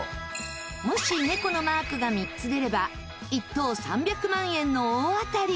もし猫のマークが３つ出れば１等３００万円の大当たり。